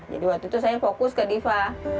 jadi waktu itu saya fokus ke diva